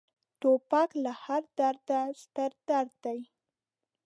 توپک له هر درده ستر درد دی.